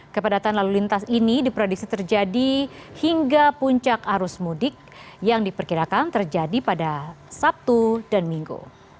kepadatan lalu lintas ini diprediksi terjadi hingga puncak arus mudik yang diperkirakan terjadi pada sabtu dan minggu